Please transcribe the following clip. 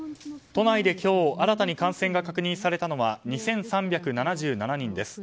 都内で今日新たに感染が確認されたのは２３７７人です。